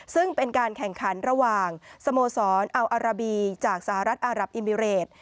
ซึ่งเป็นการแข่งขันระหว่างสโมสรอัลอาราบีจากสหรัฐอารับอิมิเรต